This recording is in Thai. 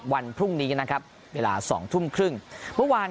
วันพรุ่งนี้นะครับเวลา๒ทุ่มครึ่งเมื่อวาน